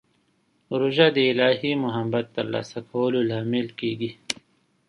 روژه د الهي محبت ترلاسه کولو لامل کېږي.